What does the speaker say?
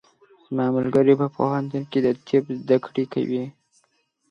زما ملګری په پوهنتون کې د طب زده کړې کوي.